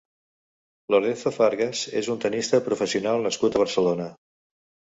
Lorenzo Fargas és un tennista professional nascut a Barcelona.